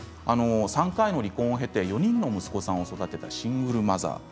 ３回の離婚を経て４人の息子さんを育てたシングルマザー